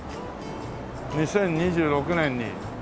２０２６年に。